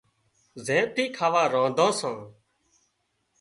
زين ٿِي کاوا رانڌان سان